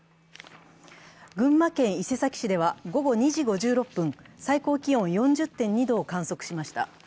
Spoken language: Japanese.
群馬県伊勢崎市では午後２時５６分、最高気温４０．２度を観測しました。